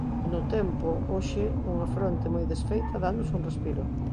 E no tempo, hoxe unha fronte moi desfeita danos un respiro.